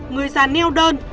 người già neo đơn